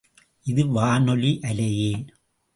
இது வானொலி அலையே.